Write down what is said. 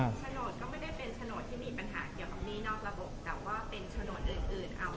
ชโนตก็ไม่ได้เป็นชโนตที่มีปัญหาเกี่ยวกับมีนอกระบบ